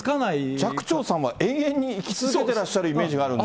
寂聴さんは永遠に生き続けてらっしゃるイメージがあるので。